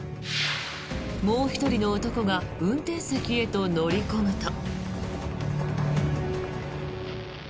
もう１人の男が運転席へと乗り込むと。